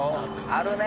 あるね